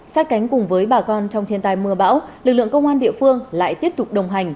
sát cánh cùng với bà con trong thiên tai mưa bão lực lượng công an địa phương lại tiếp tục đồng hành